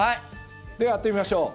では、やってみましょう。